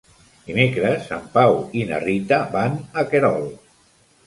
Dimecres en Pau i na Rita van a Querol.